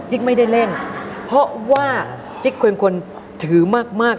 จิ๊กไม่ได้เล่นเพราะว่าจิ๊กควรควรถือมาก